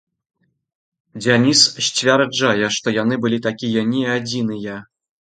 Дзяніс сцвярджае, што яны былі такія не адзіныя.